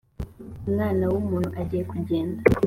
umwana w’umuntu agiye kugenda